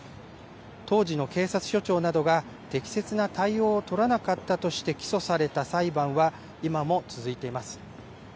当時の警察署長などが適切な対応を取らなかったとして起訴された裁判は、今も続いています。